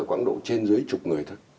quảng độ trên dưới chục người thôi